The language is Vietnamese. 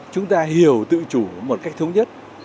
chúng ta hiểu tự chủ một cách thống nhất